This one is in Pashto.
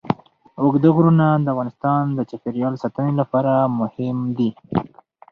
اوږده غرونه د افغانستان د چاپیریال ساتنې لپاره مهم دي.